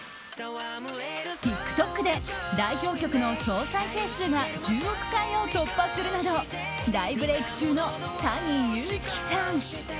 ＴｉｋＴｏｋで代表曲の総再生数が１０億回を突破するなど大ブレイク中のＴａｎｉＹｕｕｋｉさん。